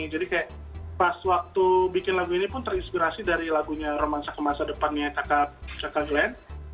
kayak pas waktu bikin lagu ini pun terinspirasi dari lagunya romansa ke masa depannya kakak glen